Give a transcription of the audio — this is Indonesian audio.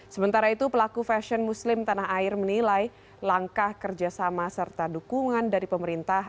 sementara itu pelaku fashion muslim tanah air menilai langkah kerjasama serta dukungan dari pemerintah